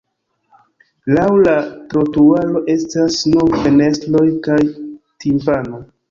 Laŭ la trotuaro estas nur fenestroj kaj timpano.